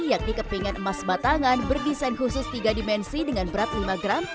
yang dikepingan emas batangan berdesain khusus tiga dimensi dengan berat lima gram